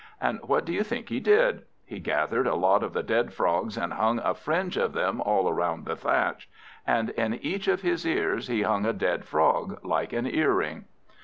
And what do you think he did? He gathered a lot of the dead Frogs and hung a fringe of them all round the thatch; and in each of his ears he hung a dead Frog, like an earring.